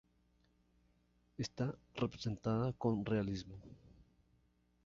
Está representada con realismo.